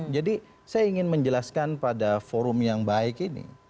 jadi saya ingin menjelaskan pada forum yang baik ini